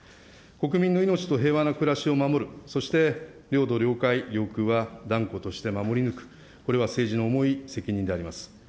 国民の命と平和な暮らしを守る、そして領土、領海、領空は、断固として守り抜く、これは政治の重い責任であります。